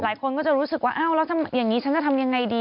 หลายคนก็จะรู้สึกว่าอ้าวแล้วอย่างนี้ฉันจะทำยังไงดี